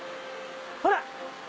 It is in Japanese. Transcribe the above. ほら！